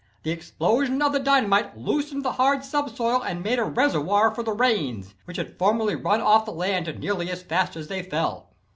The explosion of the dynamite loosened the hard subsoil, and made a reservoir for the rains, which had formerly run off the land nearly as fast as they fell.